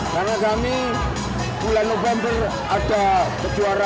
karena kami bulan november ada kejuaraan